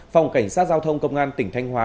phòng cảnh sát giao thông công an tỉnh thanh hóa